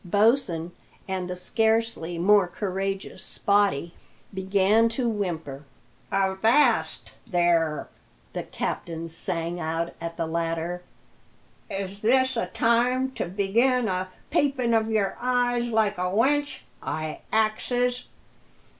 Bosin and the scarcely more courageous Spottie began to whimper. "Avast there!" the captain sang out at the latter. "Is this a time to begin a pipin' of your eye like a wench, I axes?